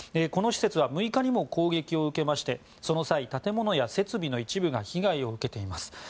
この施設は６日にも攻撃を受けまして、その際設備の一部が被害を受けています。